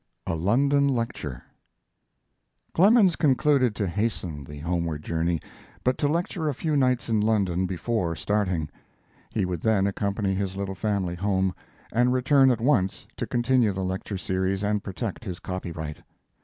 XCI. A LONDON LECTURE Clemens concluded to hasten the homeward journey, but to lecture a few nights in London before starting. He would then accompany his little family home, and return at once to continue the lecture series and protect his copyright.